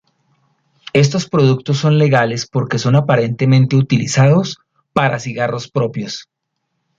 Estos productos son legales porque son aparentemente utilizados para cigarros propios.